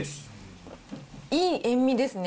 いい塩味ですね。